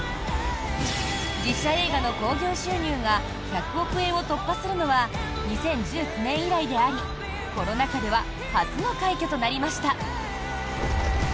実写映画の興行収入が１００億円を突破するのは２０１９年以来でありコロナ禍では初の快挙となりました。